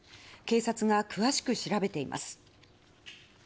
警察が詳しく調べています。